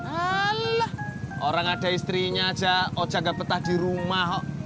alah orang ada istrinya aja ojak gak pecah di rumah